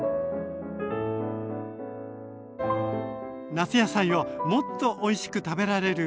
夏野菜をもっとおいしく食べられる一皿。